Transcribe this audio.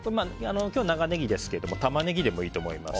今日は長ネギですがタマネギでもいいと思います。